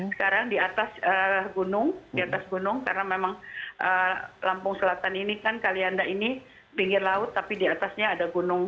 sekarang di atas gunung di atas gunung karena memang lampung selatan ini kan kalianda ini pinggir laut tapi di atasnya ada gunung